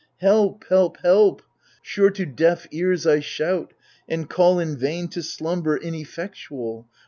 Help, help, help I Sure to deaf ears I shout, and call in vain To slumber inefiectual.